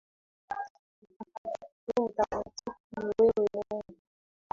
Mtakatifu mtakatifu, ni wewe Mungu